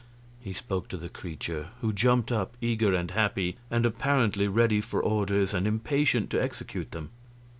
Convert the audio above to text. He spoke to the creature, who jumped up, eager and happy, and apparently ready for orders and impatient to execute them.